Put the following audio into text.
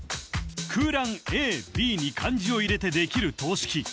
空欄ＡＢに漢字を入れてできる等式